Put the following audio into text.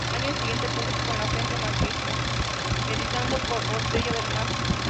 Año siguiente, publicó "Con la frente marchita", editado por Botella al mar.